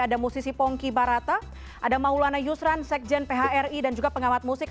ada musisi pongki barata ada maulana yusran sekjen phri dan juga pengamat musik